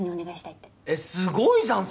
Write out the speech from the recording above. えっすごいじゃん！